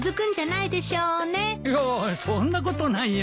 いやあそんなことないよ。